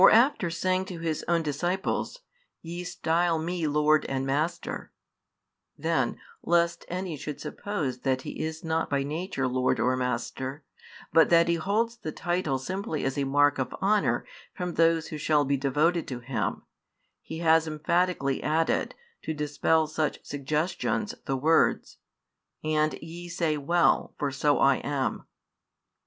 For after saying to His own disciples: Ye style Me Lord, and Master; then, lest any should suppose that |183 He is not by nature Lord or Master, but that He holds the title simply as a mark of honour from those who shall be devoted to Him, He has emphatically added, to dispel such suggestions, the words: And ye say well, for so I am.